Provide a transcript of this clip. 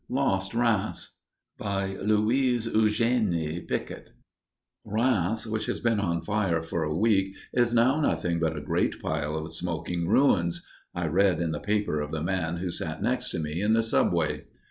LOST RHEIMS BY LOUISE EUGÉNIE PRICKITT "Rheims, which has been on fire for a week, is now nothing but a great pile of smoking ruins," I read in the paper of the man who sat next to me in the subway.